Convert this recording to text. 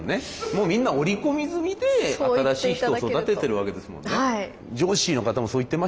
みんな織り込み済みで新しい人育ててるわけですもんね。